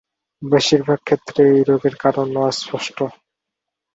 বেশিরভাগ ক্ষেত্রে এই রোগের কারণ অস্পষ্ট।